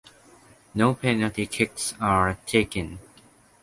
No penalty kicks are taken.